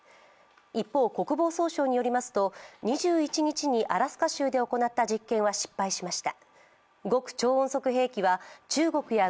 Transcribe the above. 一方、国防総省によりますと、２１日にアラスカ州で行った実験は失敗しました。